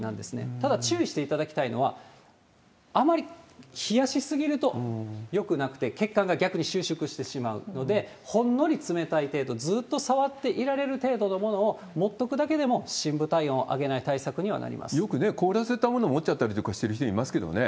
ただ、注意していただきたいのは、あまり冷やし過ぎるとよくなくて、血管が逆に収縮してしまうので、ほんのり冷たい程度、ずっと触っていられる程度のものを持っとくだけでも深部体温を上よく凍らせたものを持っちゃったりしてる人とかいますけどね。